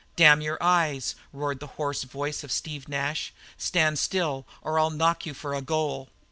"Damn your eyes!" roared the hoarse voice of Steve Nash, "stand still or I'll knock you for a goal!"